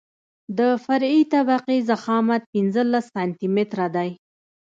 د فرعي طبقې ضخامت پنځلس سانتي متره دی